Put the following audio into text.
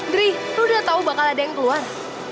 dri lo udah tahu bakal ada yang keluar